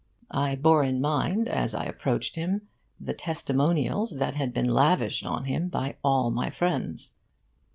I bore in mind, as I approached him, the testimonials that had been lavished on him by all my friends.